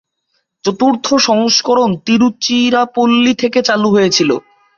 চতুর্থ সংস্করণ তিরুচিরাপল্লী থেকে চালু হয়েছিল।